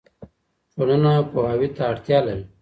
ټولنه پوهاوي ته اړتیا لري.